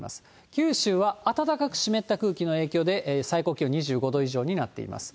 九州は暖かく湿った空気の影響で、最高気温２５度以上になっています。